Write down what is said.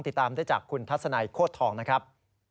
ติดตามได้จากคุณทัศนัยโคตรทองนะครับ